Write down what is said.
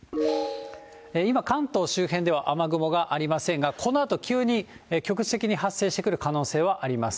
今、関東周辺では雨雲がありませんが、このあと急に局地的に発生してくる可能性はあります。